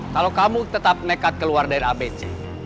kalau kamu tetap nekat keluar dari abc